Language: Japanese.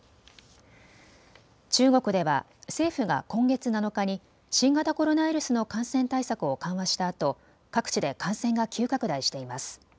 中国では政府が今月７日に新型コロナウイルスの感染対策を緩和したあと各地で感染が急拡大しています。